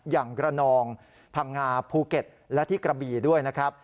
อย่างกระนองพังงาภูเก็ตและที่กระบีด้วยนะครับ